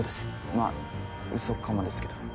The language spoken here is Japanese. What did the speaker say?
まあうそかもですけど。